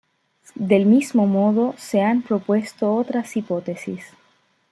Del mismo modo se han propuesto otras hipótesis.